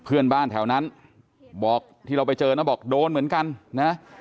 เพื่อนบ้านแถวนั้นบอกที่เราไปเจอนะบอกโดนเหมือนกันนะ